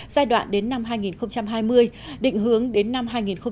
giai đoạn đến năm hai nghìn hai mươi định hướng đến năm hai nghìn ba mươi